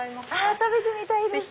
食べてみたいです！